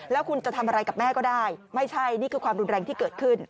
แล้วคุณจะทำอะไรกับแม่ก็ได้ไม่ใช่นี่คือความรุนแรงที่เกิดขึ้น